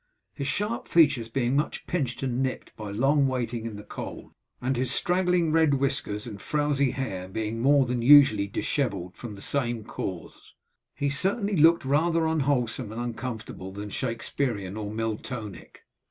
His sharp features being much pinched and nipped by long waiting in the cold, and his straggling red whiskers and frowzy hair being more than usually dishevelled from the same cause, he certainly looked rather unwholesome and uncomfortable than Shakspearian or Miltonic.